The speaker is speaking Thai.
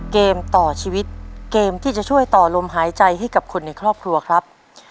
เกมต่อชีวิตเกมที่จะช่วยต่อลมหายใจให้กับคนในครอบครัวครับ